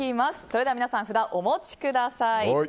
それでは皆さん札をお持ちください。